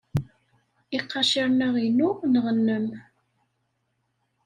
Iqaciren-a inu neɣ nnem?